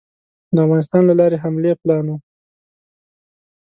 د افغانستان له لارې حملې پلان وو.